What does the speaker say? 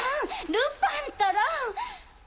ルパンったら！